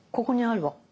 ここにあるある。